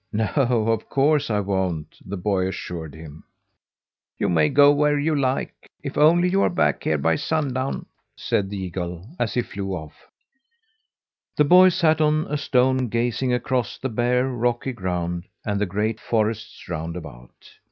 "No, of course, I won't," the boy assured him. "You may go where you like if only you are back here by sundown," said the eagle, as he flew off. The boy sat on a stone gazing across the bare, rocky ground and the great forests round about.